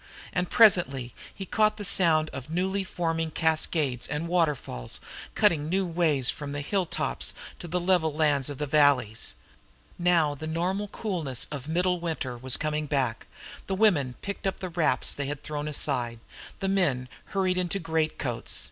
And presently he caught the sound of newly forming cascades and waterfalls, cutting new ways from the hilltops to the level lands of the valleys. Now the normal coolness of middle winter was coming back. The women picked up the wraps they had thrown aside; the men hurried into greatcoats.